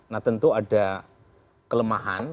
nah tentu ada kelemahan